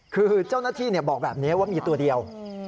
คือเจ้าหน้าที่บอกแบบนี้ว่ามีตัวเดียว